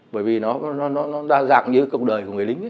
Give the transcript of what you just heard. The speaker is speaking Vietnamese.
bởi vì nó đa dạng như cộng đời của người lính